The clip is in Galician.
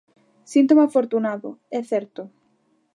Síntome afortunado, é certo.